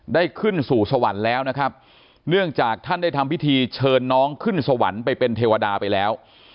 ได้ขึ้นสู่สวรรค์แล้วนะครับเนื่องจากท่านได้ทำพิธีเชิญน้องขึ้นสวรรค์ไปเป็นเทวดาไปแล้ว